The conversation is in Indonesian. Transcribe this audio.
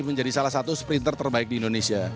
menjadi salah satu sprinter terbaik di indonesia